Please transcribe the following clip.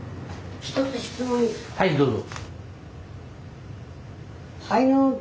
はいどうぞ。